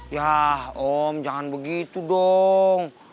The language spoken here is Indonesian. ya om jangan begitu dong